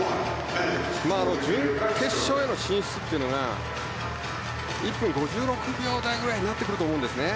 決勝への進出というのが１分５６秒台ぐらいになってくると思うんですよね。